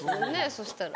そしたら。